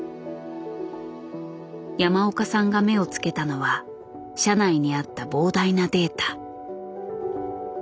山岡さんが目をつけたのは社内にあった膨大なデータ。